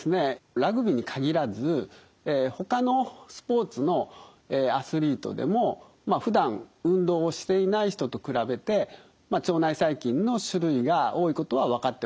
ラグビーに限らずほかのスポーツのアスリートでもまあふだん運動をしていない人と比べて腸内細菌の種類が多いことは分かっております。